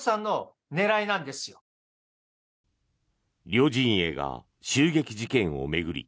両陣営が襲撃事件を巡り